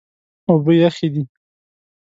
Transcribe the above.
اوبه یخې دي.